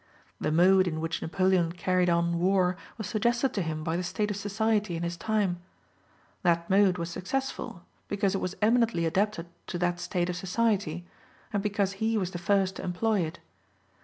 The mode in which Napoleon carried on war was suggested to him by the state of society in his time; that mode was successful, because it was eminently adapted to that state of society, and because he was the first to employ it.